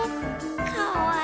かわいい。